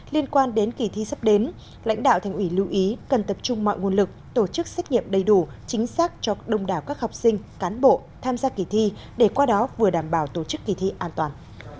liên quan đến kỳ thi sắp đến lãnh đạo thành ủy lưu ý cần tập trung mọi nguồn lực tổ chức xét nghiệm đầy đủ chính xác cho đông đảo các học sinh cán bộ tham gia kỳ thi để qua đó vừa đảm bảo tổ chức kỳ thi an toàn